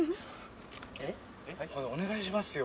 お願いしますよ